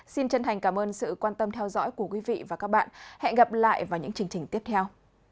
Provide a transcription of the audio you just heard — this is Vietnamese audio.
xin chân thành cảm ơn sự quan tâm theo dõi của quý vị và các bạn hẹn gặp lại vào những chương trình tiếp theo